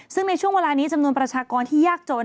ซึ่งในช่วงเวลานี้จำนวนประชากรที่ยากจน